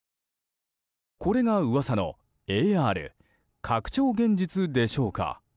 これが噂のＡＲ・拡張現実でしょうか。